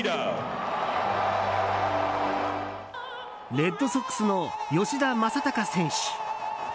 レッドソックスの吉田正尚選手。